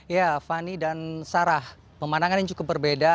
ya fani dan sarah pemandangan yang cukup berbeda